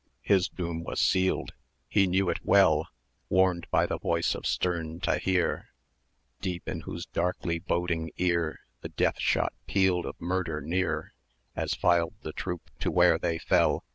His doom was sealed he knew it well, Warned by the voice of stern Taheer, Deep in whose darkly boding ear The deathshot pealed of murder near, As filed the troop to where they fell!